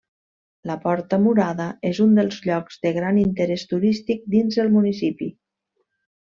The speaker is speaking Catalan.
La Porta Murada és un dels llocs de gran interès turístic dins el municipi.